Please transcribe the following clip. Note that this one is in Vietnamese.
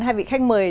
hai vị khách mời